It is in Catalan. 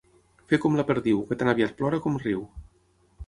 Fer com la perdiu, que tan aviat plora com riu.